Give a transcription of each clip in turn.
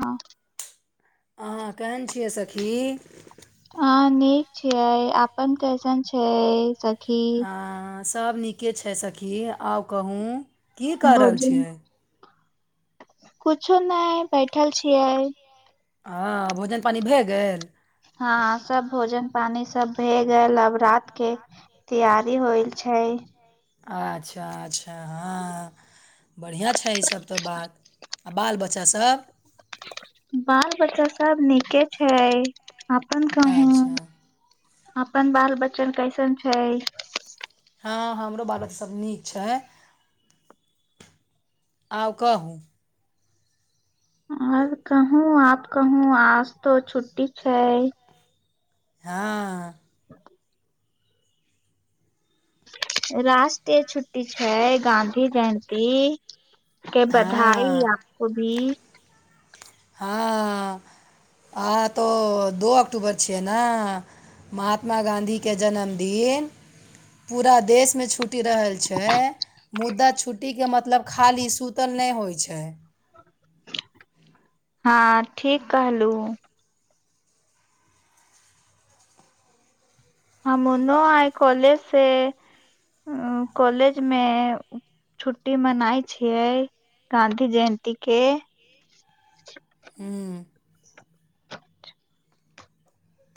हँ अहाँ केहन छियै सखी ह नीक छिय अपन कैसन छै सखी सभ नीके छै सखी आउ कहूँ भोजन [inaudible] कुछो नहि बैठल छियै हँ भोजन पानि भए गेल हँ सब भोजन पानी सब भए गेल अब रात के तैयारी होइल छै अच्छा अच्छा हँ बढ़िआँ छै ई सब तऽ बात बाल बच्चा सभ बाल बच्चा सब नीके छै अपन कहूँ अच्छा अपन बाल बच्चन कैसन छै हँ हमरो बाल बच्चा सब नीक छै आउ कहू आहाँ क कहू आप कहू आज तो छुट्टी छै हँ राष्ट्रीय छुट्टी छै गांधी जयन्ती के बधाई हँ आपको भी हँ अहाँ तऽ दू अक्टूबर छियै ना महात्मा गाँधी के जन्मदिन पूरा देशमे छूट छुट्टी रहल छै मुद्दा छुट्टीके मतलब खाली सुतल नहि होइ छै हँ ठीक कहलहु ह ओनो आई कॉलेज से कॉलेज मे छुट्टी मनाय छियै गांधी जयंती के हँ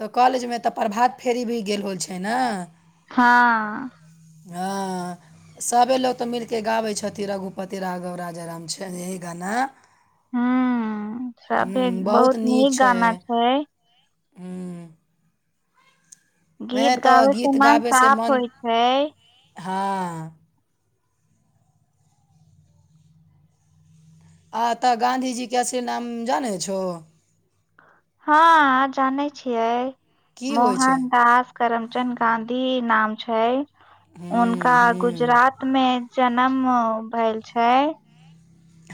तऽ कॉलेजमे तऽ प्रभात फेरी भी गेल होल छै ना हँ हा सभे लोक तऽ मिलि कऽ गाबै छथिन रघुपति राघव राजा राम छ येही गाना हूँ ह सभे बहुत नीक छै गाना छै ह वैह गीत तऽ गाबै से गीत मन गाबै से साफ मोन होइ छै हँ आ तऽ गाँधीजीकेै असली नाम जानै छहो हँ जानै छियै की होय छै मोहन दास करमचंद गांधी नाम छै हम्म उनका हम्म गुजरात मे जम भेल छै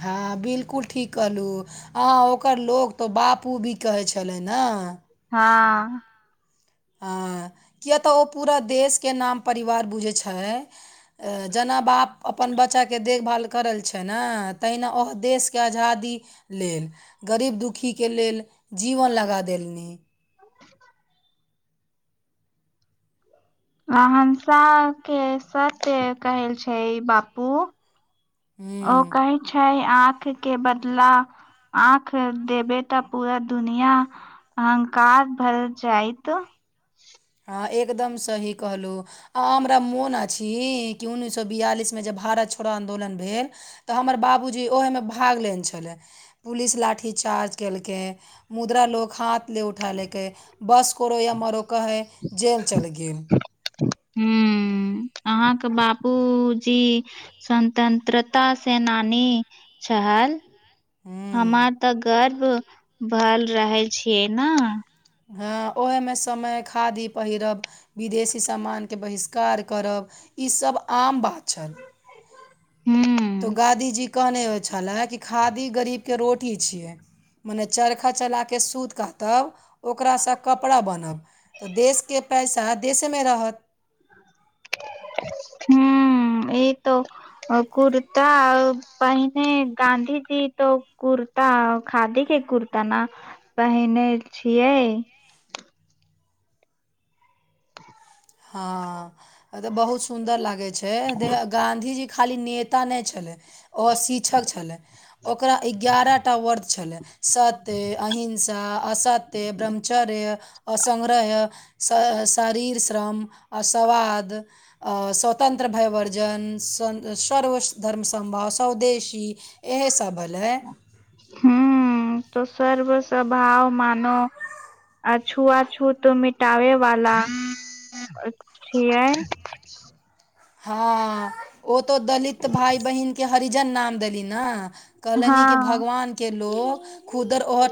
हँ बिल्कुल ठीक कहलहुँ आ ओकर लोक तऽ बापू भी कहै छलै ने हँ हँ किए तऽ ओ पूरा देशके नाम परिवार बुझै छै लए जेना बाप अपन बच्चाके देखभाल करल छै ने तहिना ओ देशके आजादी लेल गरीब दुखीके लेल जीवन लगा देलनि [inaudible] नसा के सत्य कहल छै बापू ओ हम्म कहै छै आँख के बदला आँख देबै तऽ पूरा दुनिया अहंकार भर जाइत हँ एकदम सही कहलहुँ आ हमरा मोन अछि कि उन्नैस सए बियालिसमे जब भारत छोड़ा आदोलन भेल तऽ हमर बाबूजी ओहमे भाग लेने छलय पुलिस लाठी चार्ज केलकै मुद्रा लोक हाथ त ले उठा लैके ह बस कोरो या मरो कह है जेल चलि गेल हू अहााँके बापूजी स्वतंत्रता सेनानी छहल हूँ हमार तऽ गर्व भर रहै छियै ने हँ ओहेमे समय खादी पहिरब विदेशी सामान के बहिष्कार करब ई सब आम बात छल हू तऽ गांधीजी कहने छलए कि खादी गरीबके रोटी छिए मने चरखा चलाके सुत कहतउ ओकरासँ कपड़ा बनब तऽ देशके पैसा देशेमे रहत हू, एते ओ कुर्ता पहीने गांधीजी तऽ कुर। तऽ खादीके कुर्ता ना पहिने छियै। हँ, तऽ बहुत सुन्दर लागै छै, देह गाँधी जी खाली नेता नहि छलै। ओ शिक्षक छले ओकरा एगारहटा वर्द छले। सत्य अहिंसा असत्य, ब्रह्मचर्य, असङग्रह। सँ शरीरश्रम आ स्वाद स्वतन्त्र, भयवर्जन, सर्व धर्म सम्भाव स्वदेशी। इएह सभ भेललै। हू, तऽ सर्व स्भाव मानव। आ छुआछुत मिटावे वाला छै। हँ, ओ तो दलित भाय बहिनके हरिजन नाम देली ने। कहलनि कि हँ भगवान के लोक खुदर ओर।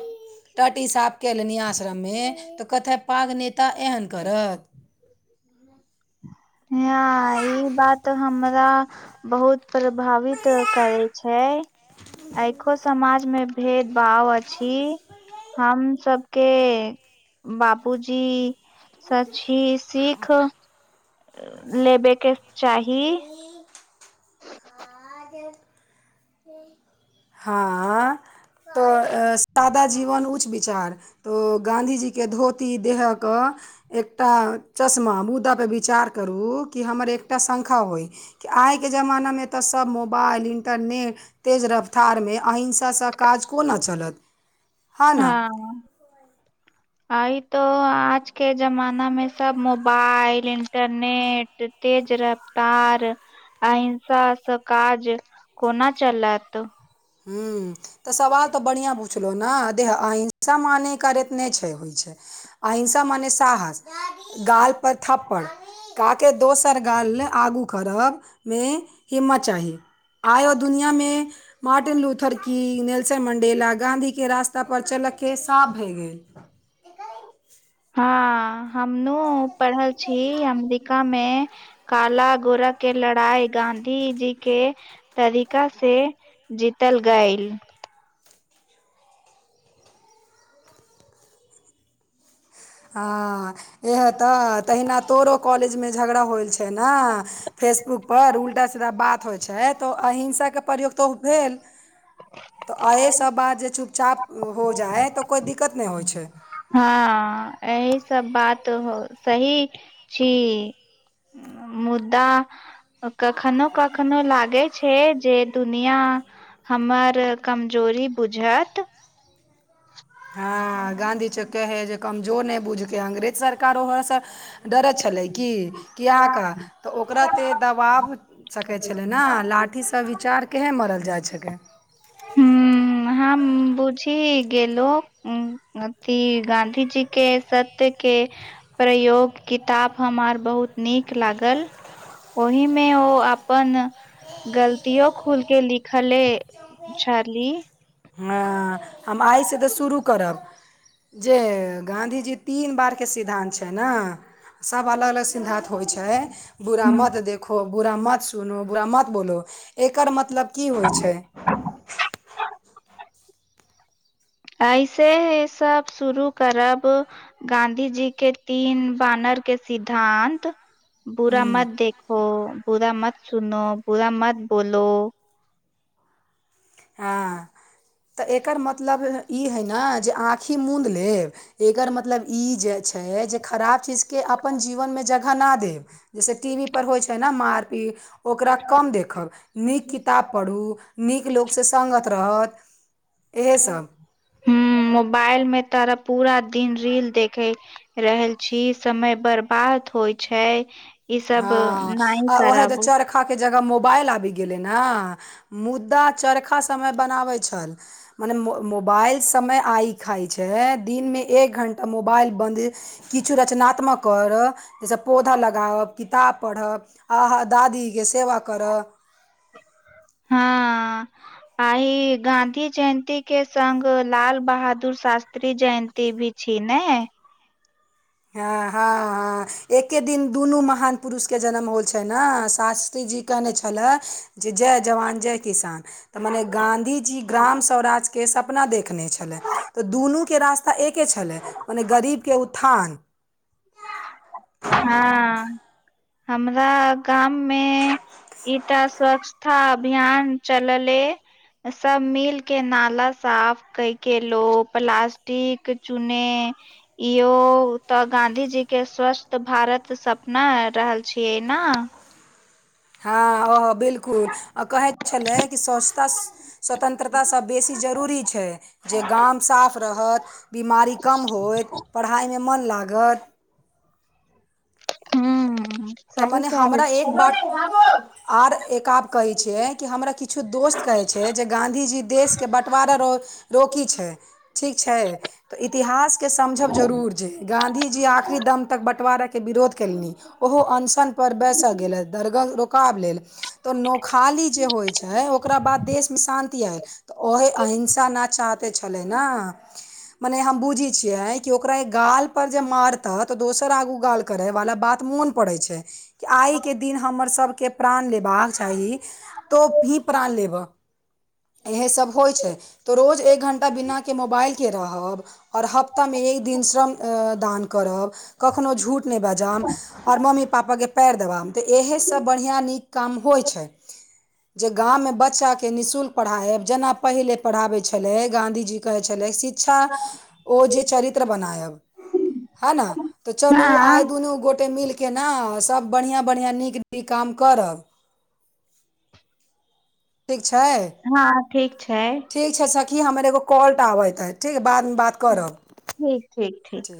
टाँटी साफ कयलनि आश्रमे तऽ कथय पाग नेता एहन करत। नै ई बात हमरा। बहुत प्रभावित करे छै, आंखो समाजमे। भेद भाव अछि। हम सभके बाबूजी। सच्ची सीख। लेबेके चाही। कि। हँ। तऽ सादा जीवन उच्च विचार। तऽ गाँधीजी के धोती देहके एकटा चश्मा मुदाापर विचार करू कि हमर एकटा सँख़ा होय आइके जमाना मे तऽ सभ मोबाइल इन्टरनेट तेज रफ्तारमे अहिसाँ काज कोन चलत हाँ ना। अइ तो आजके जमाना मे सभ मोबाइल इंटरनेट। तेज रफतार। अहिंसाँ काज कोना चलत। हू। तऽ सवाल तऽ बढ़िआँ पुछलहुँ ने देह अहिंसा माने कर एतने छै, होइत छै। अहिंसा मने साहस। गालपर थप्पड़ का के दोसर गाल आगू करबमे। हिम्मत चाही आइ ओ दुनिया मे मार्टिन लूथर क। नेल्सन मंडेला गाँंधीके रास्ता पर चलके साफ भए गेल। हँ, हम नौ पढ़ल छी अमेरिकामे। काल गोराके लड़ाई गाँधी जी के। तरीकासँ जीतल गय। हैं, इहे ते तहिना तोरो कॉलेजमे झगड़ा होइ छै। छै, ने फेसबुकप उल्टा सीधा बात होइ छै। तऽ अहिंसा के प्रयोग तऽ ओ भेल तऽ एहि सभ बात जे चुपचाप। हो जाइ हइ तऽ कोइ दिक्कत नहि होइ छै। हँ एहिही सभ बात सही छी। मुदा। कखनो कखनो लागै छै जे दुनिया हमर कमजोरी बुझत हँ गाँधी चौक है हइ जे कमजोर नहि बुझिकऽ अंग्रेज सरकार ओहोसँ डरैत छलै कि कि आ कऽ ओकरा ते दबाव सकै छलै ने लाठीसँ विचार केहेन मरल जाइ छकै हॅंम बुझी गेलो हू अथी गाँधी जी के सत्य के प्रयोग किताब हमार बहुत नीक लागल ओहि मे ओ अपन गलतियो खुल के लिखले छारली हाँ हम आइसँ तऽ शुरू करब जे गाँधीजी तीन बार के सिद्धांन छै ने सब अलग अलग सिद्धानत होइ छै बुरा मत देखो बुरा मत सुनो बुरा मत बोलो एकर मतलब की होइ छै [inaudible] [inaudible] ऐसे हेहै सब शुरू करब गांधी जी के तीन बानर के सिद्धानत बुरा हम्म मत देखो बुरा मत सुनो बुरा मत बोलो हँ तऽ एकर मतलब ई हइ न जे अह मद लेब एकर मतलब ई छै जे खराब चीज के अपन जीवनमे जगह न देब जैसे टी वी पर होइ छै ने मार पीट ओकरा कम देखब नीक किताब पढू नीक लोकसँ से सङ्गत रहत इएहे सब हूँ मोबाइल मे तोरा पूरा दिन रील देखै रहल छी समय बरबा द होइ छै ई सब नाई कराबू चरखा के जगह मोबाइल आबि गेले ने मुद्दा चरखा समय बनाबे छल मने मो मोबाइल समय आइ खाइ छै दिनमे एक घण्टा मोबाइल बन्द किछु रचनात्मक कर जहिसँ पौधा लगायब किताब पढ़ब आ अहाँ दादीके सेवा कर हँ आइ गाँधी जयन्ती के संग लाल बहादुर शास्त्री जयन्ती टी भी छै ने हँ हँहँ हँ एके दिन दुनू महान पुरुषके जन्म होल छै न शास्त्री जी कहने छलै जय जवान जय किसान तऽ मने गाँधी जी ग्राम स्वराजके सब अपना देखने छलै तऽ दुनूके रास्ता एके छलै मने गरीबके उत्थान हँ हमरा गाममे ई तऽ स्वच्था अभियान चलले सब मिल के नाला साफ कै के लो प्लास्टिक चूने इोयो तऽ गाँंधी जी के स्वस्स तऽ भारत सपना रहल छियै न हँ ओ बिलकुल आ कहै छलै कि स्वचता स्वतन्त्रतासब बेसी जरूरी छै जे गाम साफ रहत बिमारी कम होइत पढ़ाइमे मोन लागत हू तऽ सही मने कहा हमरा एक छू बात आर एक आध कहैत छियै, कि हमरा किछु दोस्त कहैत छै, जे गाँधीजी देशके बँटवारा रह। रोकी छै, ठीक छै, तऽ इतिहास के समझब जरूर। गाँंधी जी आखरी दम तक बँटवारा के विरोध केलनि ओहो। अनशन पर बैस गेल हदरग। काब लेल तऽ नोखाली जे होइ छै, ओकरा बाद देशमे शान्ति आय। तऽ ओही अहिंसा नहि चाहते छेले न। मने हम बुझी छिये, कि ओकरा गाल पर जे मारता, तो दोसर आगू गाल करे वाला बात मोन। पड़ै छै, कि आइ के दिन हमर सभके प्राण लेबाक चाही। तो ई प्राण लेब। इएहे सभ होइ छै, तऽ रोज एक घण्टा बिनाके मोबाइलके रहब। आओर हफ्तामे एक दिन श्रम दान करब कखनहु झूठ नहि बाजायब। आओर मम्मी पापाके पएर देबामे तऽ इएहसभ बढ़िआँ निक काम होइ छै। जे गाम मे बच्चाके नि शुल्क। पढ़ा है, जेना पहिले पढ़ाबै छलै, गाँंधी जी कहे छलै स। शचछा, ओ जे चरित्र बनायब। आ न तऽ चलू आइ हँ दुनू गो। ओते मिल के ने सभ बढ़िआँ बढ़िआँ निक निक काम करब ठीक छै, हँ ठीक छै ठीक। अच्चा सखी हमर एगो कॉल आबैत छै, ठीक ह बादमे बात करब। ठीक, ठीक, ठीक।